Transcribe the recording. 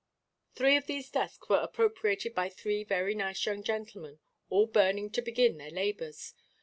Three of these desks were appropriated by three very nice young gentlemen, all burning to begin their labours.